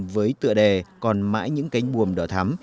với tựa đề còn mãi những cánh buồm đỏ thắm